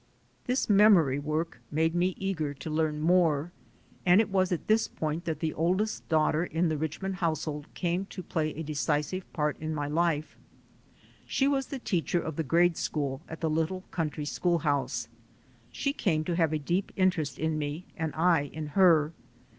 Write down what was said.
This memory work made me eager to learn more, and it was at this point that the oldest daughter in the Riclunond household came to play a decisive 146 THE SOUL OF AN IMMIGRANT part in my life. She was the teacher of the grade school at the little country schoolhouse. She came to have a deep interest in me, and I in her.